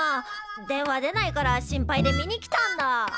電話出ないから心配で見に来たんだ。